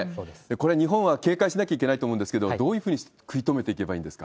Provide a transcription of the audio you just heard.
これ、日本は警戒しないと思うんですけど、どういうふうに食い止めていけばい